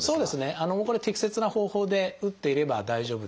適切な方法で打っていれば大丈夫です。